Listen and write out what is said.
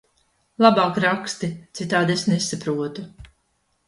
Labāk raksti, citādi es nesaprotu!